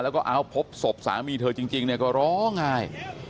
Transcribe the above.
แล้วก็เอาพบศพสามีเธอจริงเนี่ยก็ร้องไห้